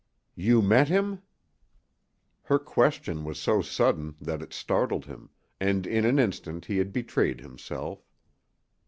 "You met him?" Her question was so sudden that it startled him, and in an instant he had betrayed himself.